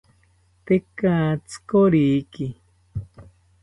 Tekatzi koriki